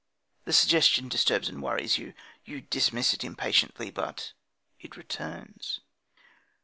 The suggestion disturbs and worries you. You dismiss it impatiently; but it returns.